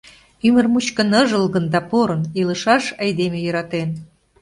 Ӱмыр мучко ныжылгын да порын Илышаш айдеме йӧратен.